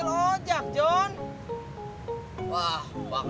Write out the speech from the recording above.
pasti enak dong